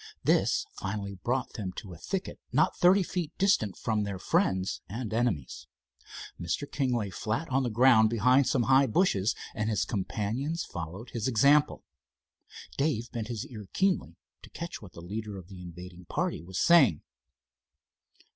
This finally brought them to a thicket not thirty feet distant from their friends and enemies. Mr. King lay flat on the ground behind some high bushes, and his companions followed his example. Dave bent his ear keenly, to catch what the leader of the invading party was saying.